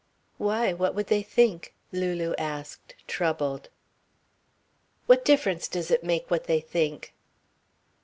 "Why, what would they think?" Lulu asked, troubled. "What difference does it make what they think?".